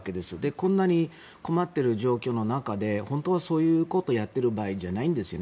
こんなに困っている状況の中で本当はそういうことをやっている場合じゃないんですね。